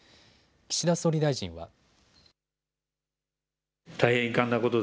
岸田総理大臣は。